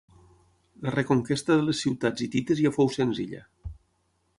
La reconquesta de les ciutats hitites ja fou senzilla.